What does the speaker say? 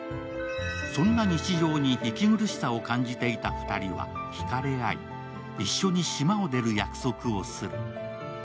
そんな日常に息苦しさを感じていた２人は引かれ合い、一緒に島を出る約束をする。